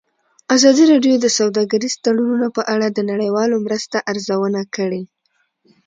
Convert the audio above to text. ازادي راډیو د سوداګریز تړونونه په اړه د نړیوالو مرستو ارزونه کړې.